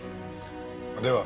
では